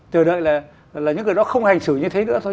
chờ đợi là những người đó không hành xử như thế nữa thôi